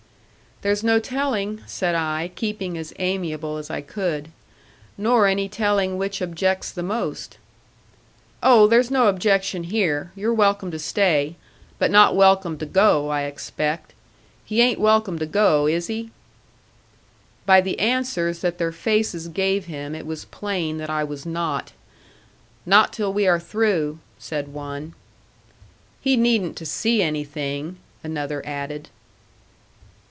"There's no telling," said I, keeping as amiable as I could; "nor any telling which objects the most." "Oh, there's no objection here. You're welcome to stay. But not welcome to go, I expect. He ain't welcome to go, is he?" By the answers that their faces gave him it was plain that I was not. "Not till we are through," said one. "He needn't to see anything,"' another added.